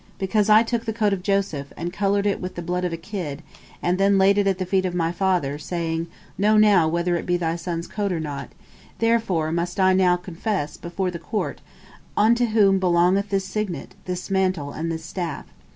Because I took the coat of Joseph, and colored it with the blood of a kid, and then laid it at the feet of my father, saying, Know now whether it be thy son's coat or not, therefore must I now confess, before the court, unto whom belongeth this signet, this mantle, and this staff.